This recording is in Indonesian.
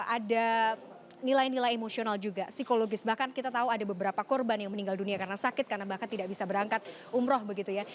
ada nilai nilai emosional juga psikologis bahkan kita tahu ada beberapa korban yang meninggal dunia karena sakit karena bahkan tidak bisa berangkat umroh begitu ya